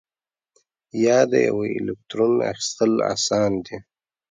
یا د یوه الکترون اخیستل آسان دي؟